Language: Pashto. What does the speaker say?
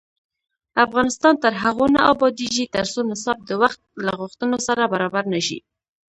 افغانستان تر هغو نه ابادیږي، ترڅو نصاب د وخت له غوښتنو سره برابر نشي.